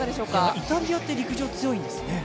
イタリアって陸上強いんですよね。